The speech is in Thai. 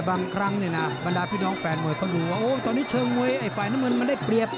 บางครั้งเนี่ยนะบรรดาพี่น้องแฟนมวยเขาดูว่าโอ้ตอนนี้เชิงมวยไอ้ฝ่ายน้ำเงินมันได้เปรียบ